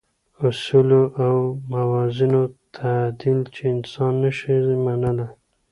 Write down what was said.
اصولو او موازینو تعدیل چې انسان نه شي منلای.